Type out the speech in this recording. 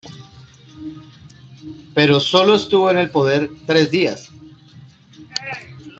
Pero solo estuvo en el poder tres días.